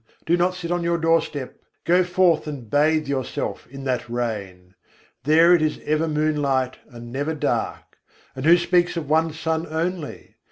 do not sit on your doorstep; go forth and bathe yourself in that rain! There it is ever moonlight and never dark; and who speaks of one sun only?